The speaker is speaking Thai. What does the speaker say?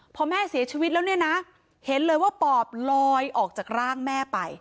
พอแม่เสียชีวิตแล้วเนี่ยนะเห็นเลยว่าปอบลอยออกจากร่างแม่ไป